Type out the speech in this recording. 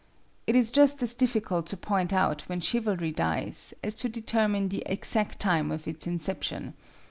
It is just as difficult to point out when chivalry dies, as to determine the exact time of its inception.